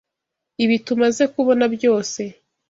Ibi tumaze kubona byose